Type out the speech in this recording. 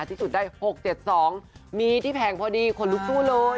ที่สุดได้๖๗๒มีที่แผงพอดีขนลุกสู้เลย